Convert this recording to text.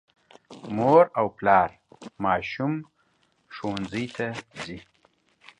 مور او پلار ماشوم ښوونځي ته ځي.